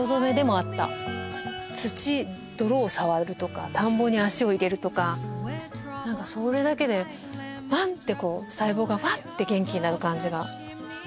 土泥を触るとか田んぼに足を入れるとか何かそれだけでファンってこう細胞がファって元気になる感じがありました。